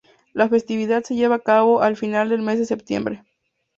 La festividad se lleva a cabo al final del mes de septiembre.